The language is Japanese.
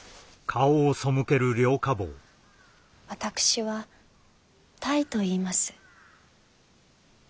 私は泰といいます。